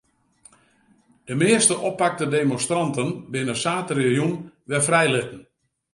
De measte oppakte demonstranten binne saterdeitejûn wer frijlitten.